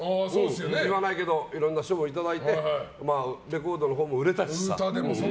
言わないけどいろんな賞もいただいてレコードのほうも売れたしさ。